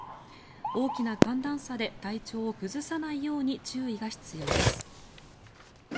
大きな寒暖差で体調を崩さないように注意が必要です。